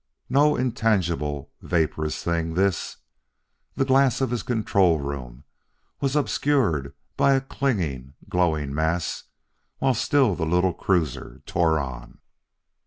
No intangible, vaporous thing, this. The glass of his control room was obscured by a clinging, glowing mass while still the little cruiser tore on.